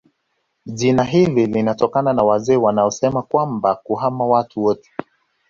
Jina hili lilitokana na wazee waliosema kwamba kuhama watu wote